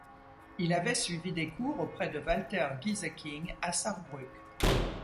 Il avait suivi des cours auprès de Walter Gieseking à Sarrebruck.